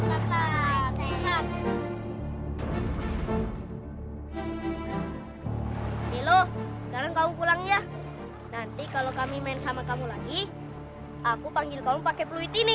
lo sekarang kamu pulang ya nanti kalau kami main sama kamu lagi aku panggil kau pakai pluit ini